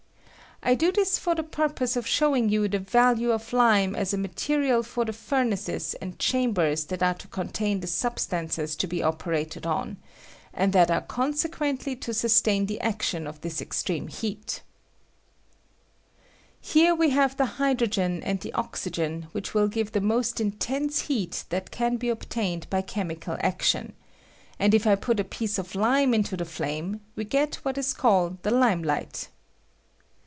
I do this for the paipose of showing you the value of lime as a material for the furnaces and chambers that are to con tain the substances to be operated on, and that are consequently to sustain the action of this extreme heat Here we have the hydrogen and the oxygen, which will give the most in tense heat that can be obtained by chemical action ; and if I put a piece of lime into the flame, we get what is called the lime light.